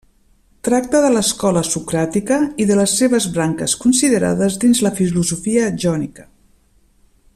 Tracta de l'escola socràtica i de les seves branques considerades dins la filosofia jònica.